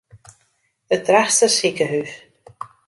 It Drachtster sikehús.